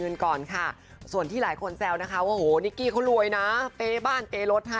ทุกครั้งที่บอกว่าให้บ้านให้รถ